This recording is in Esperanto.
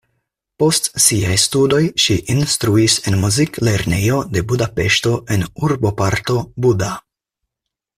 Post siaj studoj ŝi instruis en muziklernejo de Budapeŝto en urboparto Buda.